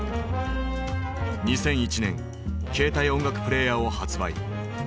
２００１年携帯音楽プレーヤーを発売。